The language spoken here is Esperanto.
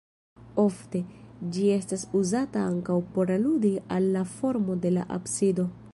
Ofte, ĝi estas uzata ankaŭ por aludi al la formo de la absido.